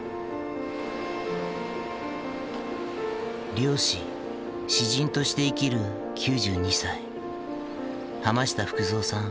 漁師詩人として生きる９２歳浜下福蔵さん